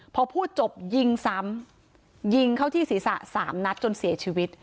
พอพูดจบยิงซ้ำยิงเข้าที่ศีรษะ๓นัดจนเสียชีวิต